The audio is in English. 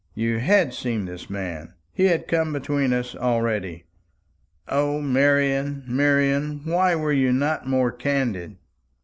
You had seen this man; he had come between us already. O, Marian, Marian, why were you not more candid?"